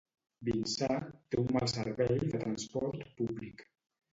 Vinçà té un mal servei de transport públic.